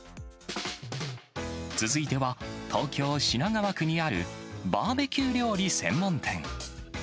続いては、東京・品川区にあるバーベキュー料理専門店。